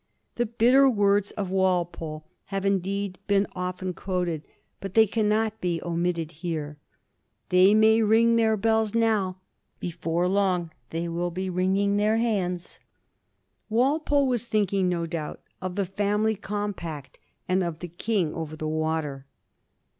The bitter words of Walpole have indeed been often quoted, but they cannot be omitted here :" They may ring their bells now ; before long they will be wringing their hands." Walpole was thinking, no doubt, of the Family Compact, and of " the King over the Water."